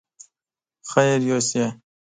خير يوسې!